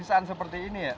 bisaan seperti ini ya